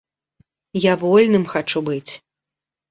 Я вольным хачу быць.